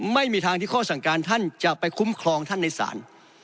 ไม่มีทางที่ข้อสั่งการท่านจะไปคุ้มครองท่านในศาล